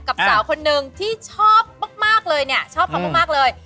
สาวคนนึงที่ชอบมากเลยเนี่ยชอบเขามากเลย